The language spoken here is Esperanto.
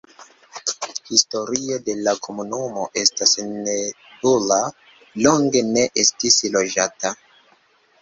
Historio de la komunumo estas nebula, longe ne estis loĝata.